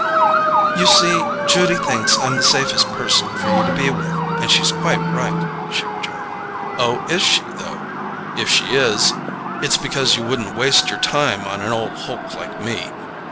"You see, Judy thinks I'm the safest person for you to be with; and she's quite right," she rejoined. "Oh, is she, though? If she is, it's because you wouldn't waste your time on an old hulk like me.